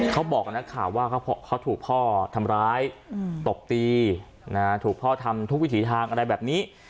เขาบอกกับนักข่าวว่าเขาถูกพ่อทำร้ายตบตีถูกพ่อทำทุกวิถีทางอะไรแบบนี้